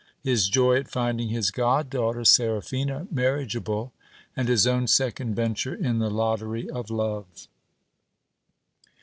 His joy at finding his god dangh ter Seraphina marriageable ; and his own second venture in the lottery of love.